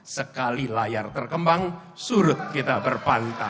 sekali layar terkembang surut kita berpantau